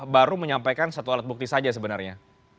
baru menyampaikan satu alat bukti saja sebenarnya